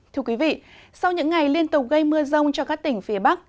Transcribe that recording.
thưa quý vị sau những ngày liên tục gây mưa rông cho các tỉnh phía bắc